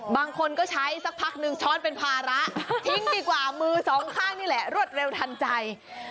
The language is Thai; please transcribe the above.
บางคนก็ใช้สักพักนึงช้อนเป็นภาระทิ้งดีกว่ามือสองข้างนี่แหละรวดเร็วทันใจ